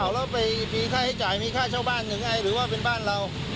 แล้วไปมีค่าใช้จ่ายมีค่าเช่าบ้านหนึ่งไอหรือว่าเป็นบ้านเรา